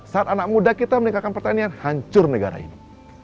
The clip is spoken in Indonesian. saat anak muda kita meningkatkan pertanian hancur negara ini